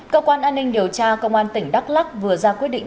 cơ quan an ninh điều tra công an tỉnh đắk lắc vừa ra quyết định